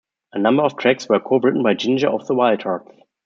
A number of tracks were co-written by Ginger of The Wildhearts.